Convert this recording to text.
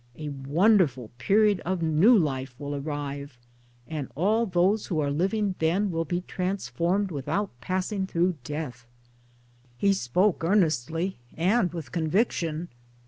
A wonderful period of new life will arrive ; and all those who are living then will be transformed without passing through Death." He spoke earnestly and with conviction.